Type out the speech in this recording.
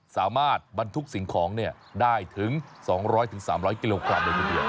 สามารถบันทุกสิ่งของเนี่ยได้ถึง๒๐๐๓๐๐กิโลกรัม